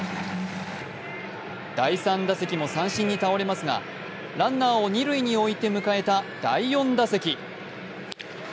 第３打席も三振に倒れますがランナーを二塁において迎えた第４打席。